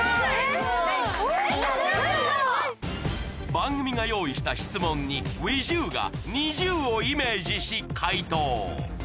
番組が用意した質問にＷｉｔｈＵがＮｉｚｉＵをイメージし回答